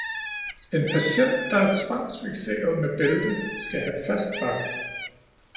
En patient, der er tvangsfikseret med bælte, skal have fast vagt.